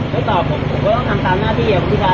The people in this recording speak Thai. ติดต่ออะไรเนี่ยไม่เกี่ยวกัน